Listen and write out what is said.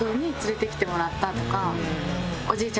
おじいちゃん